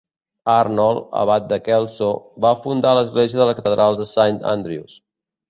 Arnold, abat de Kelso, va fundar l'església de la catedral a Saint Andrews.